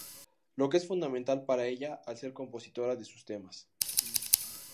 Lo que es fundamental para ella al ser compositora de sus temas.